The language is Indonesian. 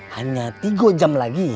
hanya tiga jam lagi